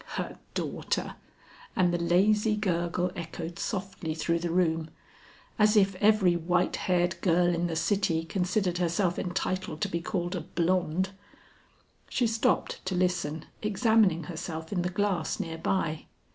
Her daughter!" and the lazy gurgle echoed softly through the room, "As if every white haired girl in the city considered herself entitled to be called a blonde!" She stopped to listen, examining herself in the glass near by.